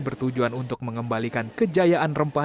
bertujuan untuk mengembalikan kejayaan rempah